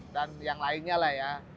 dan yang lainnya lah ya